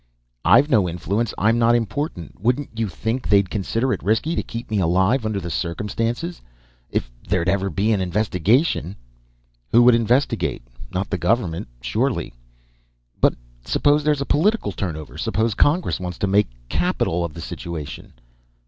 "I've no influence. I'm not important. Wouldn't you think they'd consider it risky to keep me alive, under the circumstances? If there'd ever be an investigation " "Who would investigate? Not the government, surely." "But suppose there's a political turnover. Suppose Congress want to make capital of the situation?"